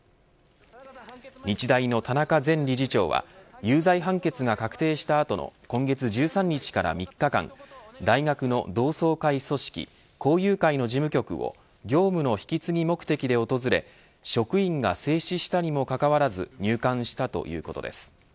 日大の田中前理事長は有罪判決が確定した後の今月１３日から３日間大学の同窓会組織校友会の事務局を業務の引き継ぎ目的で訪れ職員が制止したにもかかわらず入館したということです。